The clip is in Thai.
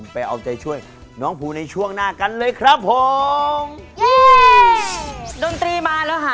ไปเอาใจช่วยน้องภูในช่วงหน้ากันเลยครับผม